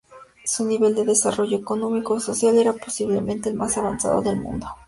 Su nivel de desarrollo económico y social era posiblemente el más avanzado del mundo.